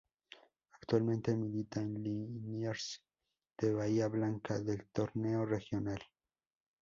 Actualmente milita en Liniers de Bahía Blanca del Torneo Regional.